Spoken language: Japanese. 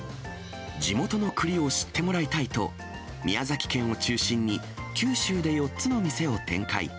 地元のくりを知ってもらいたいと、宮崎県を中心に九州で４つの店を展開。